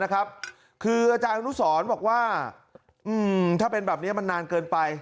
อาจารย์อาจารย์งุศรบอกว่าถ้าเป็นแบบนี้มันนานเกินไป